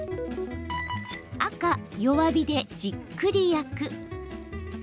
赤・弱火で、じっくり焼く。